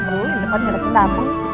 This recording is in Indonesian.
lu yang depan gak ada kita apa nih